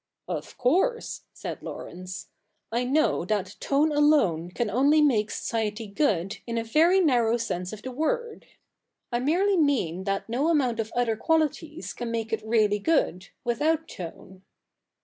' Of course,' said Laurence, ' I know that tone alone can only make society good in a very narrow sense of the word. I merely mean that no amount of other qualities can make it really good, without tone.'